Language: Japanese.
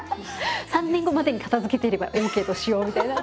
「３年後までに片づけてればＯＫとしよう」みたいな。